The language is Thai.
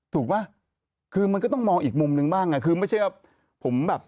ถูกป่ะคือมันก็ต้องมองอีกมุมนึงบ้างอ่ะคือไม่ใช่ว่าผมแบบ